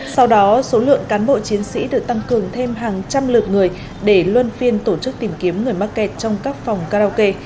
sau đó số lượng cán bộ chiến sĩ được tăng cường thêm hàng trăm lượt người để luân phiên tổ chức tìm kiếm người mắc kẹt trong các phòng karaoke